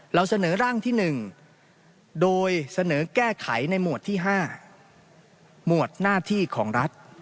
เราเสนอร่างที่๑โดยเสนอแก้ไขในหมวดที่๕หมวดหน้าที่ของรัฐ